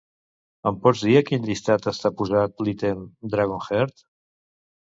Em pots dir a quin llistat està posat l'ítem "Dragonheart"?